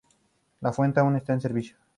La fuente aún está en servicio.